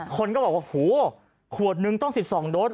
คนก็บอกว่าโหขวดนึงต้อง๑๒โดส